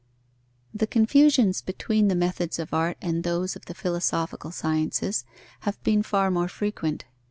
_ The confusions between the methods of art and those of the philosophical sciences have been far more frequent.